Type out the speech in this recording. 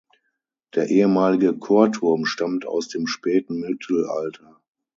Der ehemalige Chorturm stammt aus dem späten Mittelalter.